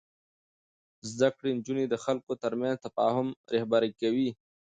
زده کړې نجونې د خلکو ترمنځ تفاهم رهبري کوي.